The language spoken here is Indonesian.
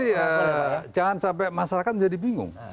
iya gitu jadi jangan sampai masyarakat menjadi bingung